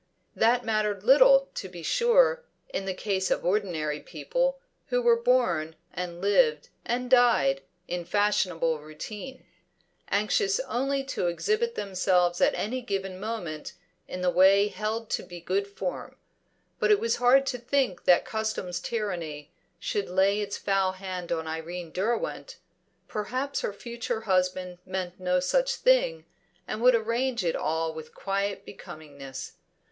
That mattered little, to be sure, in the case of ordinary people, who were born, and lived, and died, in fashionable routine, anxious only to exhibit themselves at any given moment in the way held to be good form; but it was hard to think that custom's tyranny should lay its foul hand on Irene Derwent. Perhaps her future husband meant no such thing, and would arrange it all with quiet becomingness.